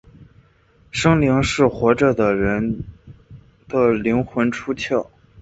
生灵是活着的人的灵魂出窍。